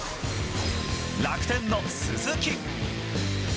楽天の鈴木。